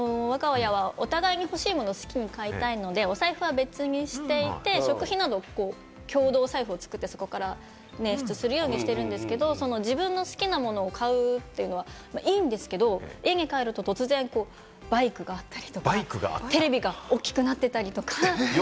わが家はお互いに欲しいものを好きに買いたいので、お財布は別にしていて、食費など、共同財布を作って、そこから捻出するようにしてるんですけれども、自分の好きなものを買うっていうのはいいんですけれども、家に帰ると突然バイクがあったりとか。